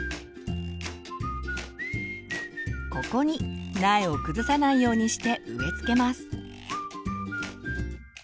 ここに苗を崩さないようにして植えつけます。